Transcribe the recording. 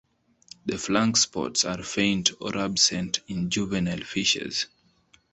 The flank spots are faint or absent in juvenile fishes.